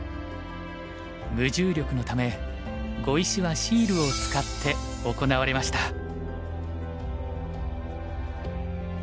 無重力のため碁石はシールを使って行われました。